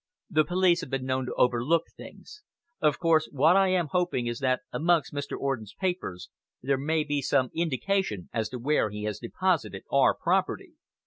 "The police have been known to overlook things. Of course, what I am hoping is that amongst Mr. Orden's papers there may be some indication as to where he has deposited our property."